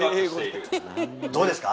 どうですか？